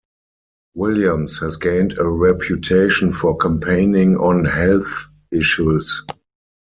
Williams has gained a reputation for campaigning on health issues.